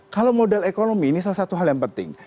kalau modal ekonomi ini salah satu hal yang penting